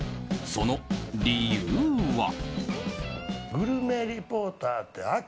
その理由は。